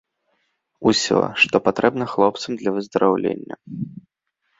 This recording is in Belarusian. Усё, што патрэбна хлопцам для выздараўлення.